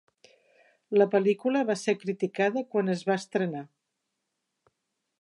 La pel·lícula va ser criticada quan es va estrenar.